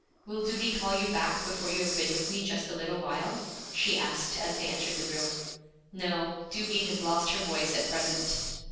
'Will duty call you back before you have been with me just a little while?' she asked as they entered the room. 'No, duty has lost her voice at present.'